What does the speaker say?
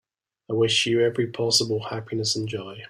I wish you every possible happiness and joy.